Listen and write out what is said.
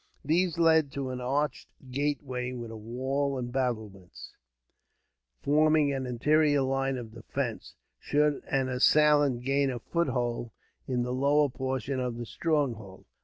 These led to an arched gateway, with a wall and battlements; forming an interior line of defence, should an assailant gain a footing in the lower portion of the stronghold.